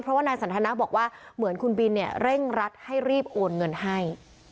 เพราะว่านายสันทนาบอกว่าเหมือนคุณบินเนี่ยเร่งรัดให้รีบโอนเงินให้